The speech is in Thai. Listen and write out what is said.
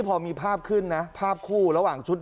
เป็นลุคใหม่ที่หลายคนไม่คุ้นเคย